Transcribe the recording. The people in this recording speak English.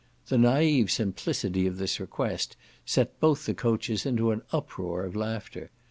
The naive simplicity of this request set both the coaches into an uproar of laughter.